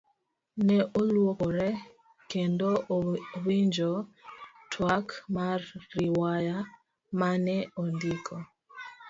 Ne oluokore kendo winjo twak mar riwaya mane ondiko.